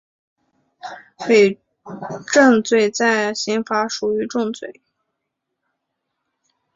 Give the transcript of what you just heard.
伪证罪在刑法属于重罪。